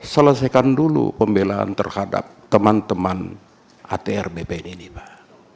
selesaikan dulu pembelaan terhadap teman teman atr bpn ini pak